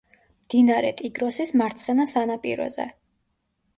მდინარე ტიგროსის მარცხენა სანაპიროზე.